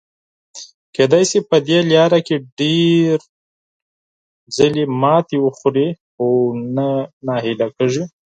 کېدای شي په دې لاره کې ډېر ځلي ماتې وخوري، خو نه ناهیلي کیږي.